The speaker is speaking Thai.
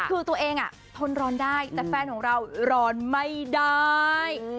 คือตัวเองทนร้อนได้แต่แฟนของเราร้อนไม่ได้